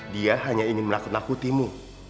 dia hanya ingin melakukan lakutimu